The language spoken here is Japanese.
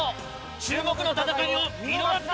注目の戦いを見逃すな！